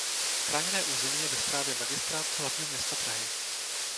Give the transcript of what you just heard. Chráněné území je ve správě Magistrátu hlavního města Prahy.